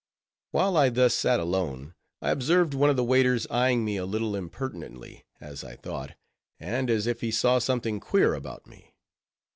While I thus sat alone, I observed one of the waiters eying me a little impertinently, as I thought, and as if he saw something queer about me.